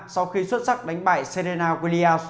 sau khi xuất sắc đánh bại serena williams